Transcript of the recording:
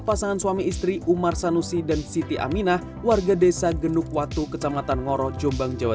pasangan suami istri umar sanusi dan siti aminah warga desa genukwatu kecamatan ngoro jombang jawa